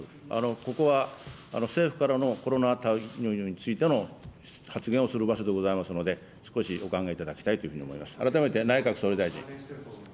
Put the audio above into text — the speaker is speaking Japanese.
ここは政府からのコロナ対応についての発言をする場所でございますので、少しお考えいただきたいというふうに思います。